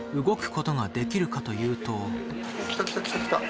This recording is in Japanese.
来た来た来た来た。